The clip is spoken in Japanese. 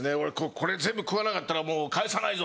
これ全部食わなかったらもう帰さないぞ！